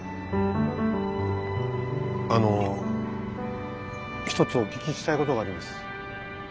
あの１つお聞きしたいことがあります。